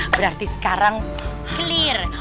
berarti sekarang clear